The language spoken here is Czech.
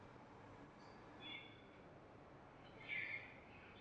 Pořádá tradiční oslavy Dne Země.